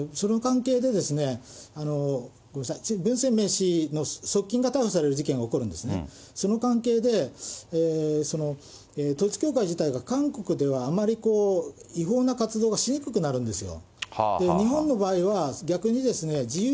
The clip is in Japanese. その関係で、ごめんなさい、文鮮明氏の側近が逮捕される事件が起こるんですね、その関係で統一教会自体が韓国では、あんまり違法な活動はしにくくなるんですよ。